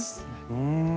うん。